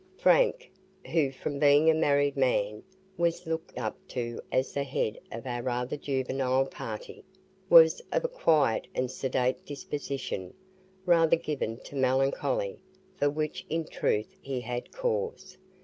Frank (who, from being a married man, was looked up to as the head of our rather juvenile party) was of a quiet and sedate disposition, rather given to melancholy, for which in truth he had cause.